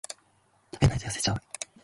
食べないと痩せちゃう